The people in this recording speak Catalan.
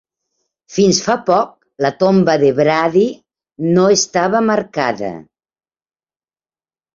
Fins fa poc, la tomba de Brady no estava marcada.